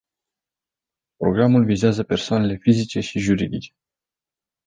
Programul vizează persoanele fizice și juridice.